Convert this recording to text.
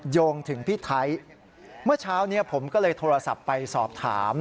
โยงถึงพี่ไทยเมื่อเช้านี้ผมก็เลยโทรศัพท์ไปสอบถาม